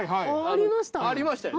ありましたよね。